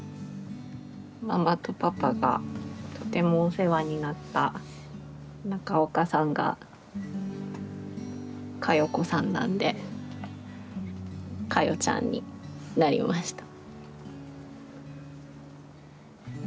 ママとパパがとてもお世話になった中岡さんが香代子さんなんで華代ちゃんになりました。